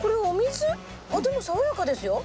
でも爽やかですよ。